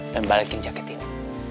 dan balikin jaket ini